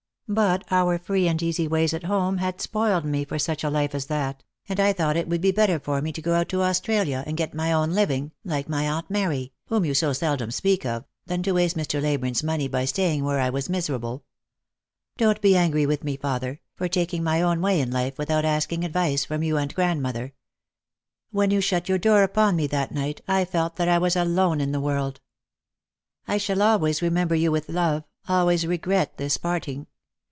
But our free and easy ways at home had spoiled me for such a life as that, and I thought it would be better for me to go out to Australia and get my own living, like my aunt Mary, whom you so seldom speak of, than to waste Mr. Leyburne's money by staying where I was miserable. Don't be angry with me, father, for taking my own way in life without asking advice from you and grandmother. When you shut your door upon me that night, I felt that I was alone in the world. " I shall always remember you with love, always regret this parting.